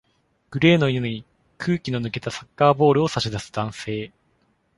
グレーの犬に空気の抜けたサッカーボールを差し出す男性。